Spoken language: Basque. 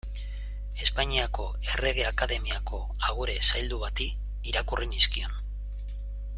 Espainiako Errege Akademiako agure zaildu bati irakurri nizkion.